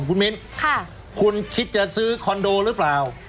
คุณมิ้นคุณคิดจะซื้อคอนโดหรือเปล่า